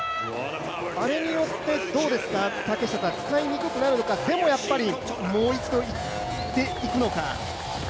あれによってどうですか、使いにくくなるのか、でも、やっぱりもう一度いくのか。